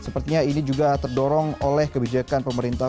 sepertinya ini juga terdorong oleh kebijakan pemerintah